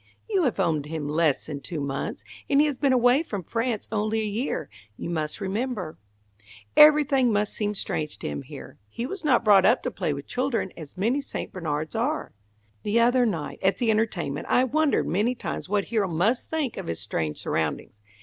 "You have owned him less than two months, and he has been away from France only a year, you must remember. Everything must seem strange to him here. He was not brought up to play with children, as many St. Bernards are. "The other night, at the entertainment, I wondered many times what Hero must think of his strange surroundings.